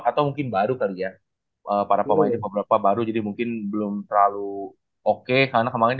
atau mungkin baru kali ya para pemain beberapa baru jadi mungkin belum terlalu oke karena kemarin